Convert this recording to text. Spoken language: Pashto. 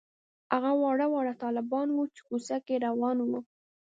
هغه واړه واړه طالبان وو چې کوڅه کې روان وو.